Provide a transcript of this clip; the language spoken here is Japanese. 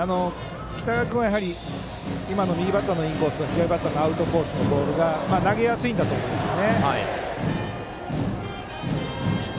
北川君は今の右バッターのインコース左バッターのアウトコースのボールが投げやすいんだと思います。